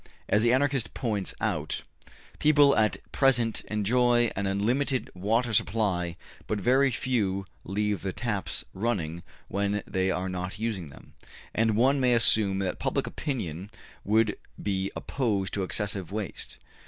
As the Anarchists point out, people at present enjoy an unlimited water supply but very few leave the taps running when they are not using them. And one may assume that public opinion would be opposed to excessive waste.